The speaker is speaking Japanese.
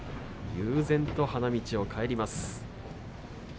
悠然と花道を帰ります。